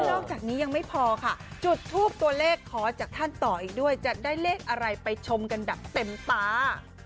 อกจากนี้ยังไม่พอค่ะจุดทูปตัวเลขขอจากท่านต่ออีกด้วยจะได้เลขอะไรไปชมกันแบบเต็มตา